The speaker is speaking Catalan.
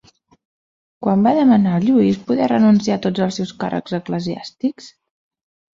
Quan va demanar Lluís poder renunciar a tots els seus càrrecs eclesiàstics?